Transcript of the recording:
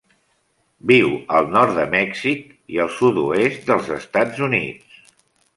Viu al nord de Mèxic i al sud-oest dels Estats Units.